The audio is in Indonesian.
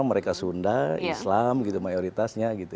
mereka sunda islam gitu mayoritasnya gitu